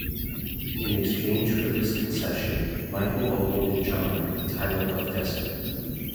In exchange for this concession, Michael awarded John with the title of Despot.